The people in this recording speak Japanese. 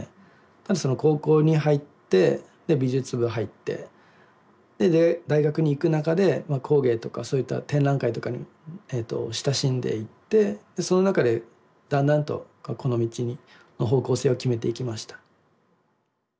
ただ高校に入って美術部入ってで大学に行く中で工芸とかそういった展覧会とかに親しんでいってその中でだんだんとこの道に方向性を決めていきました。